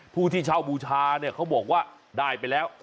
ผู้ที่เช่าบูชาเนี่ยเขาบอกว่าได้ไปแล้ว